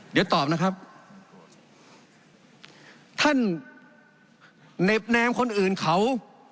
เดี๋ยวตอบนะครับท่านเน็บแนมคนอื่นเขา